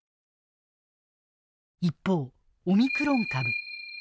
一方、オミクロン株。